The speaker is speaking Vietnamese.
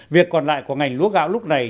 việc còn lại của ngành lúa gạo lúc này